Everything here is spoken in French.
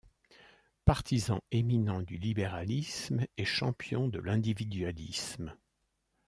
Partisan éminent du libéralisme et champion de l'individualisme.